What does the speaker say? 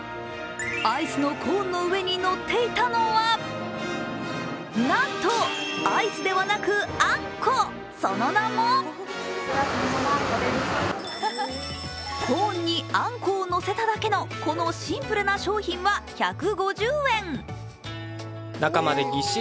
アイスのコーンの上にのっていたのはなんとアイスではなくあんこ、その名もコーンにあんこをのせただけのこのシンプルな商品は１５０円。